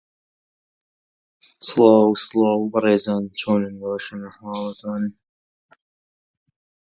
The Chief Magistrate is currently Peter Lauritsen.